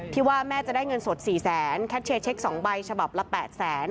ที่ว่าแม่จะได้เงินสด๔๐๐๐๐๐บาทแคชเช็ดเช็ก๒ใบฉบับละ๘๐๐๐๐๐บาท